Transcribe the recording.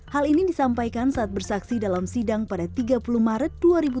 hal ini disampaikan saat bersaksi dalam sidang pada tiga puluh maret dua ribu dua puluh